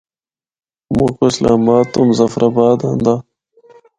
مُکّو اسلام آباد تو مظفرآباد آندا۔